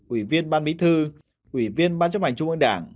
ủy viên ban bí thư ủy viên ban chấp hành trung ương đảng